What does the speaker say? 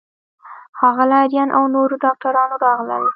ښاغلی آرین او نورو ډاکټرانو راغلل.